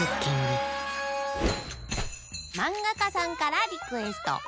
まんがかさんからリクエスト。